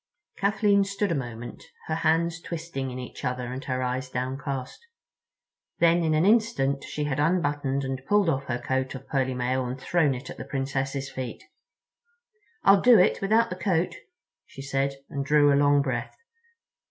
Kathleen stood a moment, her hands twisting in each other and her eyes downcast. Then in an instant she had unbuttoned and pulled off her coat of pearly mail and thrown it at the Princess's feet. "I'll do it without the coat," she said, and drew a long breath.